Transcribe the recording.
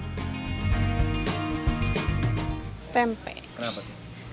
tempe dan tahu goreng adalah olahan yang berbeda